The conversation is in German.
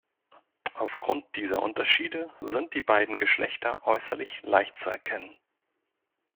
Aufgrund dieser Unterschiede sind die beiden Geschlechter äußerlich leicht zu erkennen.